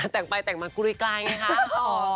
แต่งไปแต่งมากุยไกลไงคะ